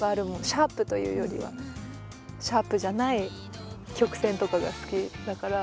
シャープというよりはシャープじゃない曲線とかが好きだから。